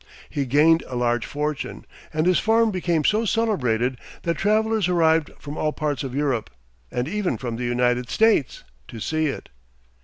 He gained a large fortune, and his farm became so celebrated, that travelers arrived from all parts of Europe, and even from the United States, to see it.